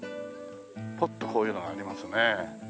ぽっとこういうのがありますね。